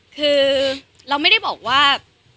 คือเราไม่ได้บอกว่า